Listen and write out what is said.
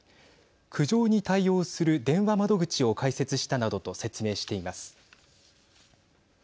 苦情に対応する電話窓口を開設したなどと説明しています。